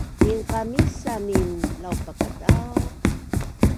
Minqamisanin laupakadau